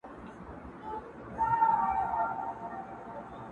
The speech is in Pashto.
خدایه دې ماښام ته ډېر ستوري نصیب کړې-